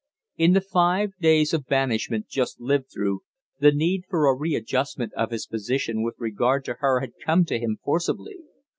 In the five days of banishment just lived through, the need for a readjustment of his position with regard to her had come to him forcibly.